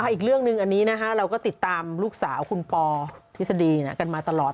อีกเรื่องหนึ่งอันนี้เราก็ติดตามลูกสาวคุณปอทฤษฎีกันมาตลอด